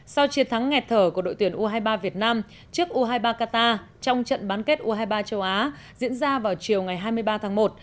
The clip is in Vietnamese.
sau chiến thắng nghẹt thở của đội tuyển u hai mươi ba việt nam trước u hai mươi ba qatar trong trận bán kết u hai mươi ba châu á diễn ra vào chiều ngày hai mươi ba tháng một